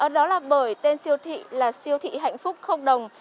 đó là bởi tên siêu thị là siêu thị hạnh phúc không đồng